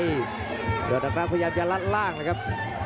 ยอดอักรักษ์พยายามจะลัดรากเลยครับ